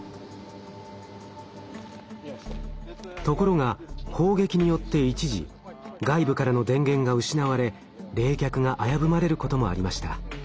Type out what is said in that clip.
ところが砲撃によって一時外部からの電源が失われ冷却が危ぶまれることもありました。